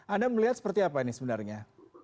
anda melihat seperti apa ini sebenarnya